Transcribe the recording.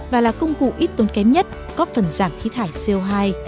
và là công cụ ít tốn kém nhất có phần giảm khí thải co hai